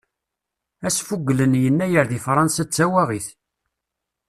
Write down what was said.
Asfugel n yennayer deg faransa d tawaɣit.